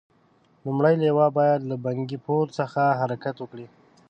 لومړنۍ لواء باید له بنکي پور څخه حرکت وکړي.